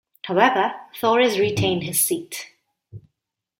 However, Thorez retained his seat.